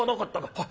『はっ。